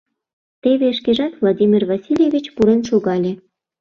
Теве шкежат, Владимир Васильевич, пурен шогале.